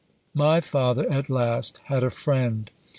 My father at last had a friend.